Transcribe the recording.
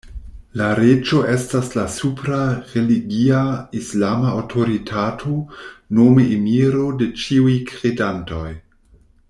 La reĝo estas la supra religia islama aŭtoritato, nome Emiro de ĉiuj kredantoj.